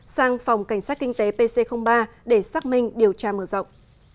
sang phòng cảnh sát kinh tế pc ba để xác minh điều tra mở rộng